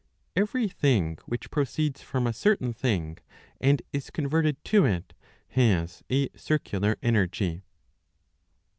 Every thing which proceeds from a certain thing and is converted to it, has a circular energy.